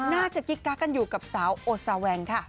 น่าจะกิ๊กกักกันอยู่กับสาวโอซาแวงค่ะ